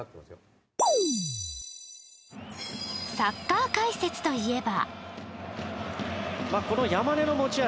サッカー解説といえば。